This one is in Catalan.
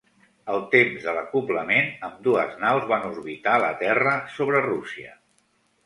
Al temps de l'acoblament, ambdues naus van orbitar la Terra sobre Rússia.